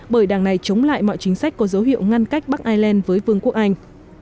bởi đảng này chống lại mọi chính sách có dấu hiệu ngăn cách bắc ireland với vương quốc anh